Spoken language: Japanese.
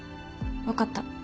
分かった。